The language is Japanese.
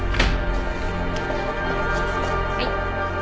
はい。